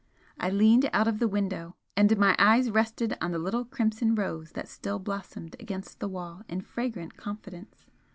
I leaned out of the window, and my eyes rested on the little crimson rose that still blossomed against the wall in fragrant confidence.